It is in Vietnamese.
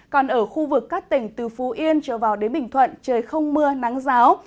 còn ở khu vực các tỉnh từ phú yên trở vào đến bình thuận trời không mưa nắng giáo